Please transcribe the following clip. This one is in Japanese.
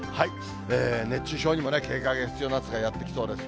熱中症にも警戒が必要な暑さがやって来そうです。